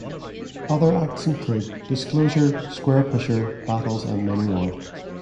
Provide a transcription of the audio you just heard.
Other acts include: Disclosure, Squarepusher, Battles and many more.